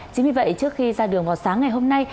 chính vì vậy trước khi ra đường vào sáng ngày hôm nay